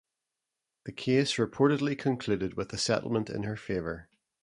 The case reportedly concluded with a settlement in her favour.